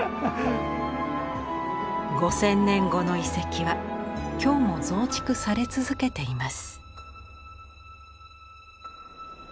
五千年後の遺跡は今日も増築され続けています。